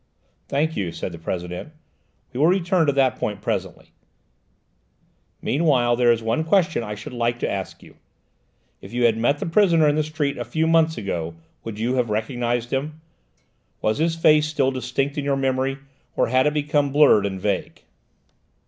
"Thank you," said the President; "we will return to that point presently. Meanwhile there is one question I should like to ask you. If you had met the prisoner in the street a few months ago, should you have recognised him? Was his face still distinct in your memory, or had it become blurred and vague?"